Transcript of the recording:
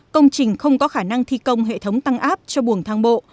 công trình không có khả năng thi công hệ thống tăng áp cho buồng thang bộ